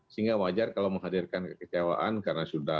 sehingga wajar kalau menghadirkan kekecewaan karena sudah